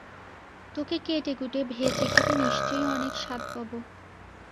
তোকে কেটেকুটে ভেজে খেতে নিশ্চয়ই অনেক স্বাদ পাবো!